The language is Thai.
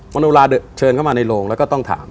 มโนราเชิญเข้ามาในโรงแล้วก็ต้องถาม